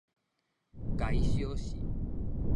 共伊燒死